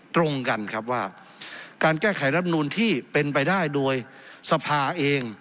ตรงกันครับว่าการแก้ไขรับนูลที่เป็นไปได้โดยสภาเอง